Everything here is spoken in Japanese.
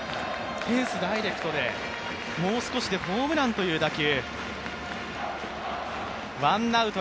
フェンスダイレクトでもう少しでホームランという打球。